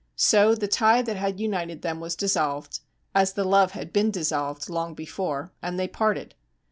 So the tie that had united them was dissolved, as the love had been dissolved long before, and they parted.